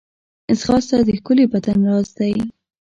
ځغاسته د ښکلي بدن راز دی